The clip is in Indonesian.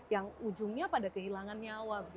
yang ujungnya pada kehilangan nyawa